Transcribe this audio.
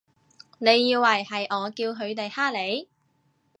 你以為係我叫佢哋㗇你？